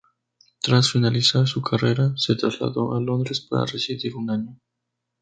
Tras finalizar su carrera, se trasladó a Londres para residir un año.